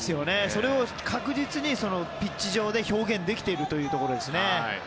それを確実にピッチ上で表現ができているということですね。